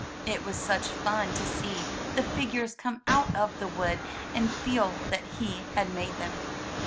It was such fun to see the figures come out of the wood and feel that he had made them.